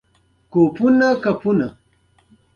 دا سرسري چلند ژبې ته زیان رسوي.